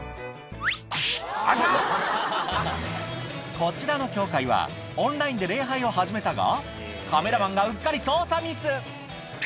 こちらの教会は、オンラインで礼拝を始めたが、カメラマンがうっかり操作ミス。